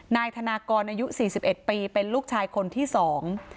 นายธนากรอายุ๔๑ปีเป็นลูกชายคนที่สอง